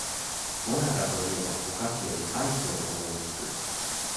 もなかと言えばお菓子よりアイスを思いつく